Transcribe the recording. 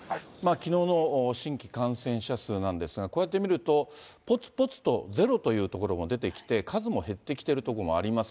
きのうの新規感染者数なんですが、こうやって見ると、ぽつぽつとゼロという所も出てきて、数も減ってきている所もあります。